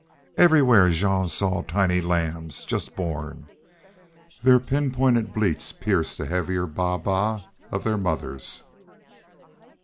Everywhere Jean saw tiny lambs just born. Their pin pointed bleats pierced the heavier baa baa of their mothers.